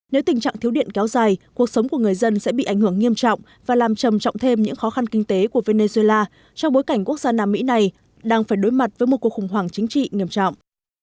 nếu tình trạng thiếu điện kéo dài cuộc sống của người dân sẽ bị ảnh hưởng nghiêm trọng và làm trầm trọng thêm những khó khăn kinh tế của venezuela trong bối cảnh quốc gia nam mỹ này đang phải đối mặt với một cuộc khủng hoảng chính trị nghiêm trọng